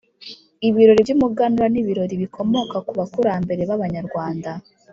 Ibirori by’umuganura ni ibirori bikomoka ku bakurambere ba banyarwanda,